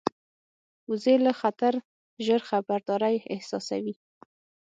وزې له خطره ژر خبرداری احساسوي